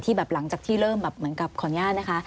ที่หลังจากที่เริ่มเหมือนกับขอนญาตินะคะ